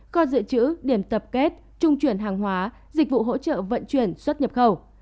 kho dự trữ điểm tập kết trung chuyển hàng hóa dịch vụ hỗ trợ vận chuyển xuất nhập khẩu